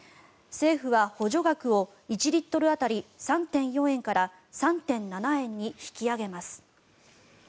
政府は補助額を１リットル当たり３．４円から３．７円に引き上げます。